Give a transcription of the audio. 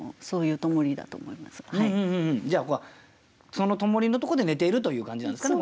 じゃあその灯りのところで寝ているという感じなんですかね